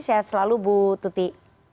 sehat selalu bu tuti